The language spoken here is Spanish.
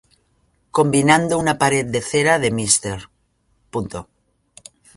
Combinando una pared de cera de Mr.